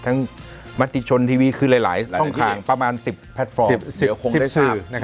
ทั้งมติชนทีวีคือหลายช่องข่างประมาณ๑๐แพลตฟอร์ม